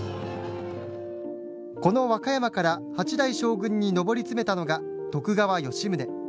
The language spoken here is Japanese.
この和歌山から８代将軍に上り詰めたのが徳川吉宗。